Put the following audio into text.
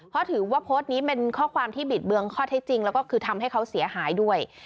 เพราะถือว่าโพสต์นี้เป็นข้อความที่บิดเบืองข้อเท็จจริงแล้วก็คือทำให้เขาเสียหายด้วย